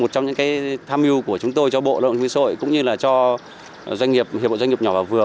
một trong những tham mưu của chúng tôi cho bộ lộng viên sội cũng như cho hiệp hội doanh nghiệp nhỏ và vừa